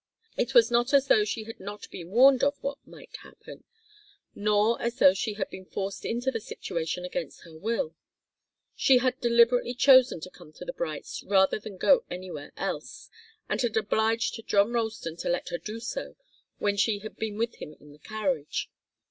It was not as though she had not been warned of what might happen, nor as though she had been forced into the situation against her will. She had deliberately chosen to come to the Brights' rather than to go anywhere else, and had obliged John Ralston to let her do so when she had been with him in the carriage.